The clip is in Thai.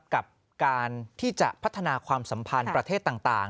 กับการที่จะพัฒนาความสัมพันธ์ประเทศต่าง